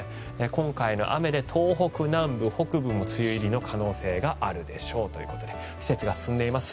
今回の雨で東北南部、北部も梅雨入りの可能性もあるでしょうということで季節が進んでいます。